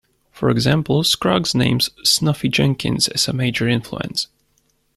For example, Scruggs names Snuffy Jenkins as a major influence.